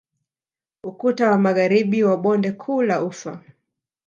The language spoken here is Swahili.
Ukuta wa magharibi wa bonde kuu la ufa